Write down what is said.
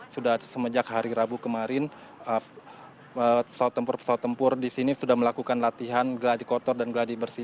sudah semenjak hari rabu kemarin pesawat tempur pesawat tempur di sini sudah melakukan latihan geladi kotor dan geladi bersih